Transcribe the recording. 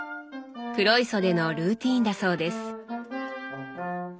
黒磯でのルーティーンだそうです。